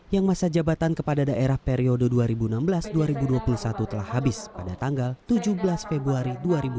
yang masa jabatan kepada daerah periode dua ribu enam belas dua ribu dua puluh satu telah habis pada tanggal tujuh belas februari dua ribu dua puluh